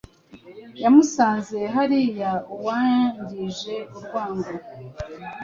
Yamusanze hariya uwangije urwango